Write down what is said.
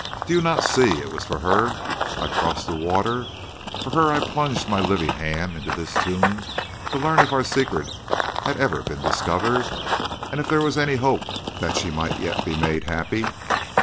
Do you not see it was for her I crossed the water, for her I plunged my living hand into this tomb to learn if our secret had ever been discovered, and if there was any hope that she might yet be made happy?